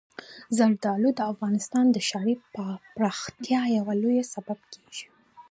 زردالو د افغانستان د ښاري پراختیا یو لوی سبب کېږي.